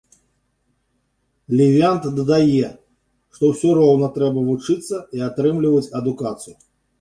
Лівянт дадае, што ўсё роўна трэба вучыцца і атрымліваць адукацыю.